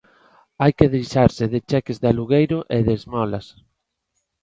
Hai que deixarse de cheques de alugueiro e de esmolas.